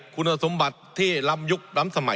คุณสมบัติที่ล้ำยุคล้ำสมัย